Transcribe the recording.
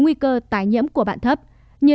nguy cơ tái nhiễm của bạn thấp như